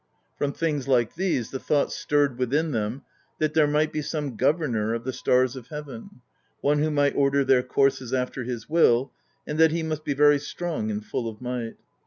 From things like these the thought stirred within them that there might be some governor of the stars of heaven : one who might order their courses after his will; and that he must be very strong and full of might.